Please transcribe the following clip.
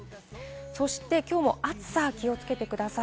そして、きょうも暑さ、気をつけてください。